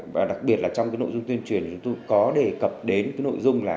và đặc biệt trong nội dung tuyên truyền chúng tôi có đề cập đến nội dung là